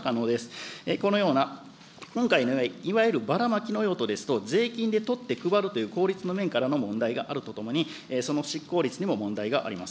このような今回の、いわゆるばらまきの用途ですと、税金で取って配るという効率の面からの問題があるとともに、その執行率にも問題があります。